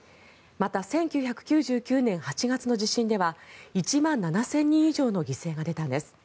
また１９９９年８月の地震では１万７０００人以上の犠牲が出たんです。